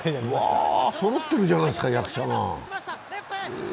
そろってるじゃないですか、役者が。